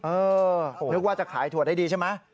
นึกว่าจะขายถั่วได้ดีใช่ไหม